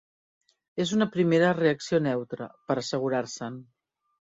És una primera reacció neutra, per assegurar-se'n.